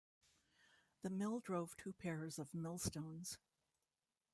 The mill drove two pairs of millstones.